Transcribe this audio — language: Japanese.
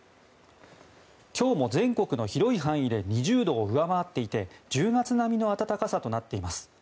今日も全国の広い範囲で２０度を上回っていて１０月並みの温かさとなっています。